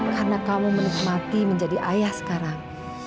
karena kamu menikmati menjadi ayah sekarang